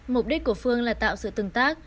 mục đích của phương là tạo sự tương tác